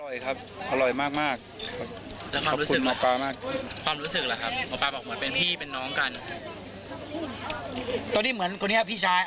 ยังไงผมก็เหมือนครอบครัวเดียวกันไปแล้วนะ